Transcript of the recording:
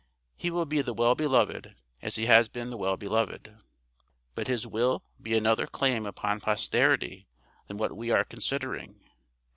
He will be the well beloved, as he has been the well beloved. But his will be another claim upon posterity than what we are considering.